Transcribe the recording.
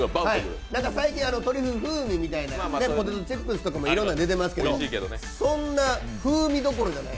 最近、トリュフ風味みたいなポテトチップスとかいろんなのが出ていますけど、そんな風味どころじゃない。